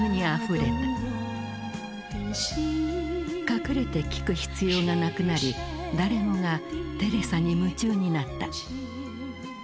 隠れて聴く必要がなくなり誰もがテレサに夢中になった。